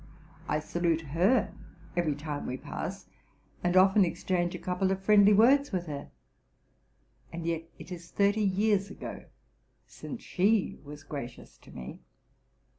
I salute her every time we pass, and often exchange a couple of friendly words with her; and yet it is thirty years ago since she was gracious tome.